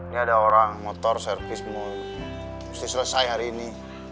gak ada orang motor servis musti selesai hari ini